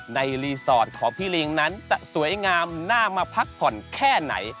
รีสอร์ทของพี่ลิงนั้นจะสวยงามน่ามาพักผ่อนแค่ไหน